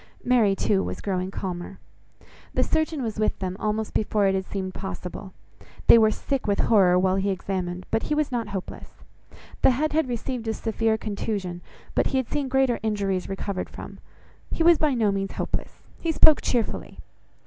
Mary, too, was growing calmer. The surgeon was with them almost before it had seemed possible. They were sick with horror, while he examined; but he was not hopeless. The head had received a severe contusion, but he had seen greater injuries recovered from: he was by no means hopeless; he spoke cheerfully.